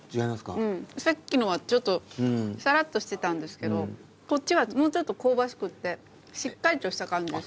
さっきのはちょっとさらっとしてたんですけどこっちはもうちょっと香ばしくってしっかりとした感じです。